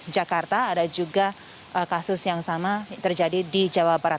jakarta ada juga kasus yang sama terjadi di jawa barat